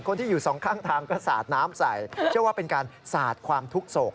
ที่อยู่สองข้างทางก็สาดน้ำใส่เชื่อว่าเป็นการสาดความทุกข์โศก